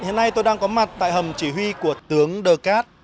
hiện nay tôi đang có mặt tại hầm chỉ huy của tướng đờ cát